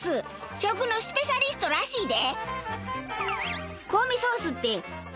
食のスペシャリストらしいで。